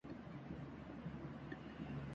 ہوگئے خلافت راشدہ کا اختتام اور کاٹ کھانے والی ملوکیت